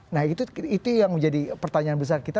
nah itu yang menjadi pertanyaan besar kita